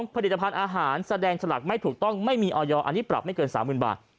ผลิตภัณฑ์อาหารแสดงสลักไม่ถูกต้องไม่มีออยอันนี้ปรับไม่เกิน๓๐๐๐บาท